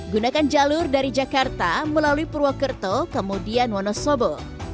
gunakan jalur dari jakarta melalui purwokerto kemudian wonosobo